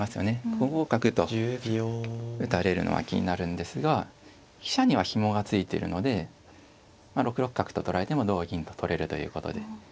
５五角と打たれるのは気になるんですが飛車にはひもが付いてるので６六角と取られても同銀と取れるということで。